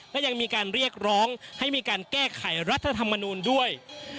และยังมีการเรียกร้องให้มีการแก้ไขรัฐธรรมนูลด้วย